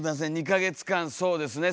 ２か月間そうですね